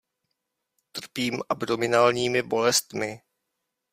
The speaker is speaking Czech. Trpím abdominálními bolestmi.